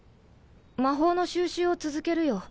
魔法の収集を続けるよ。